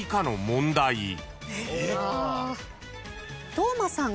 當間さん。